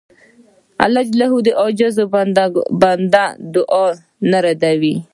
الله د عاجز بنده دعا نه ردوي.